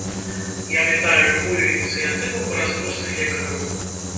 Я вітаю любую ініцыятыву па разгрузцы лекараў.